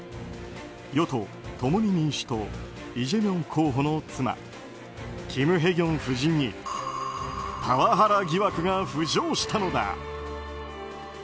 与党・共に民主党イ・ジェミョン候補の妻キム・ヘギョン夫人にパワハラ疑惑が浮上したのだ。